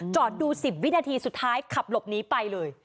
จอดดู๑๐วินาทีสุดท้ายขับหลบหนีไปเลย